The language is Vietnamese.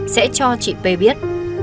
sẽ cho chị p biết